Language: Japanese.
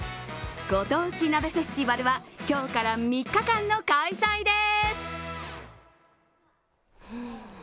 ご当地鍋フェスティバルは今日から３日間の開催です。